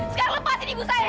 sekarang lepasin ibu saya